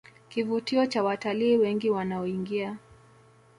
kivutio cha watalii wengi wanaoingia